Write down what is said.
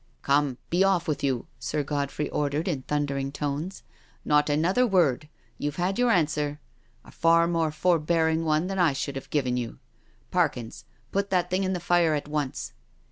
•• Come, be off with you," Sir Godfrey ordered in thundering tones. " Not another word — you've had your answer. A far more forbearing one than I should have given you. Parkins, put that thing in the fire at once."